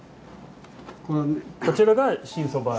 こちらが新そば？